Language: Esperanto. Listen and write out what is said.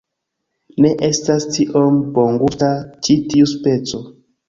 Ne estas tiom bongusta ĉi tiu speco